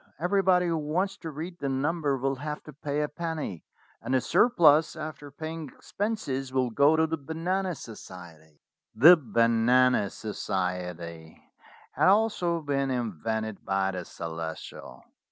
Everybody who wants to read the number will have to pay a penny, and the surplus, after paying ex penses, will go to the Banana Society." The Banana Society had also been invented by the Celestial.